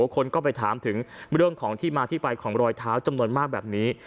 คนก็ไปถามถึงเรื่องของที่มาที่ไปของรอยเท้าจำนวนมากแบบนี้